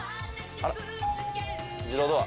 あら？